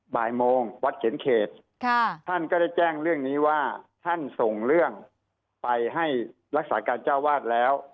บ่ายโมงวัดเขียนเขตท่านก็ได้แจ้งเรื่องนี้ว่าท่านส่งเรื่องไปให้รักษาการเจ้าวาดแล้ว